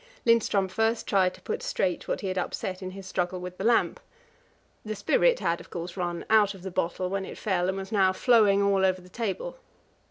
Lindström first tried to put straight what he had upset in his struggle with the lamp. The spirit had, of course, run out of the bottle when it fell, and was now flowing all over the table.